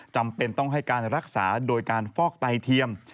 จำเป็นต้องให้การรักษาโดยการฟอกไตเทียม